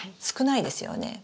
少ないですよね。